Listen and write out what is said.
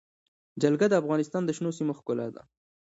جلګه د افغانستان د شنو سیمو ښکلا ده.